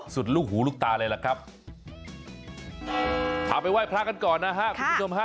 สุดลูกหูลูกตาเลยแหละครับพาไปไหว้พระกันก่อนนะฮะ